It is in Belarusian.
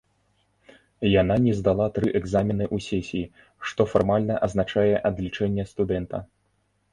Яна не здала тры экзамены ў сесіі, што фармальна азначае адлічэнне студэнта.